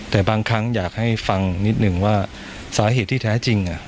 แต่บางครั้งอยากให้ฟังนิดหนึ่งว่าสาเหตุที่แท้จริง